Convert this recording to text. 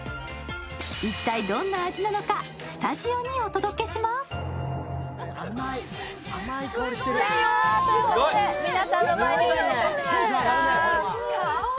一体どんな味なのか、スタジオにお届けします。ということで、皆さんの前にご用意いたしました。